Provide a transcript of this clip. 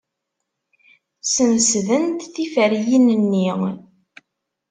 Smesdent tiferyin-nni.